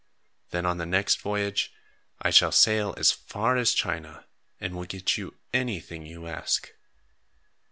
Then, on the next voyage, I shall sail as far as China and will get you anything you ask!"